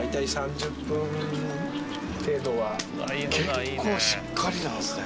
結構しっかりなんですね。